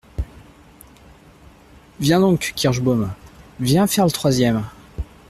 Viens donc, Kirschbaum, viens faire le troisième !